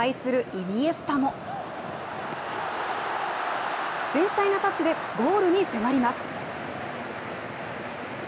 イニエスタも繊細なタッチでゴールに迫ります。